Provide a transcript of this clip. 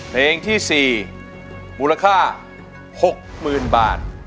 เพลงที่๔มูลค่า๖๐๐๐๐บาท